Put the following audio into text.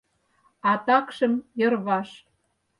А такшым йырваш